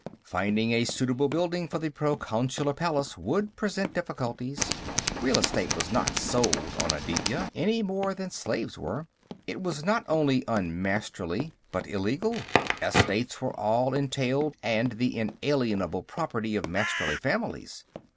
Finding a suitable building for the Proconsular Palace would present difficulties. Real estate was not sold on Aditya, any more than slaves were. It was not only un Masterly but illegal; estates were all entailed and the inalienable property of Masterly families.